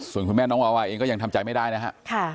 ส่วนคุณแม่น้องวาวาเองก็ยังทำใจไม่ได้นะฮะ